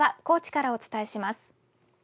高知からお伝えします。